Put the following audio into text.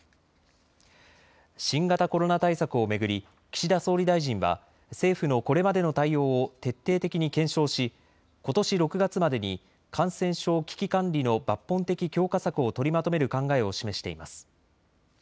新型コロナ対策を巡り岸田総理大臣は政府のこれまでの対応を徹底的に検証しことし６月までに感染症危機管理の抜本的強化策を取りまとめる考えを示しています。